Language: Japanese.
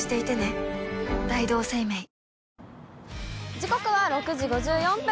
時刻は６時５４分。